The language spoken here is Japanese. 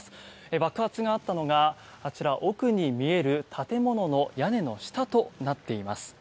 爆発があったのがあちら、奥に見える建物の屋根の下となっています。